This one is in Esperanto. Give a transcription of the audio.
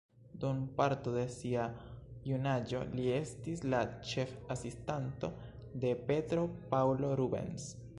Dum parto de sia junaĝo li estis la ĉef-asistanto de Petro Paŭlo Rubens.